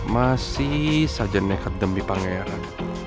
masih saja nekat demi pangeran